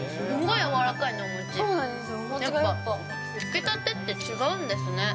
やっぱつきたてって違うんですね。